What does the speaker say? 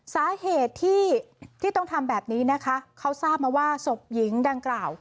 สาเหตุที่ที่ต้องทำแบบนี้นะคะเขาทราบมาว่าศพหญิงดังกล่าว